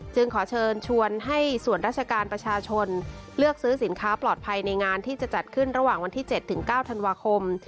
ขอเชิญชวนให้ส่วนราชการประชาชนเลือกซื้อสินค้าปลอดภัยในงานที่จะจัดขึ้นระหว่างวันที่๗๙ธันวาคม